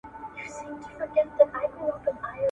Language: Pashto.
دا به د تجربو تبادلې لامل شي.